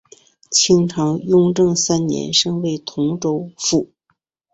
清朝雍正三年升为同州府。